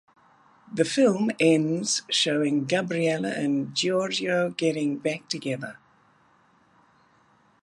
The film ends showing Gabriella and Giorgio getting back together.